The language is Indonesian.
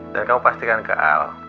dan kamu pastikan ke al